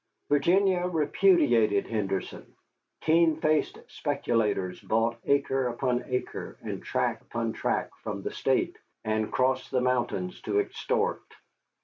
Virginia repudiated Henderson. Keen faced speculators bought acre upon acre and tract upon tract from the State, and crossed the mountains to extort.